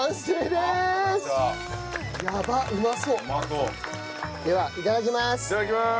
ではいただきます！